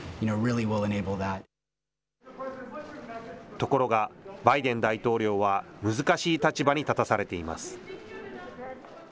ところが、バイデン大統領は難しい立場に立たされています。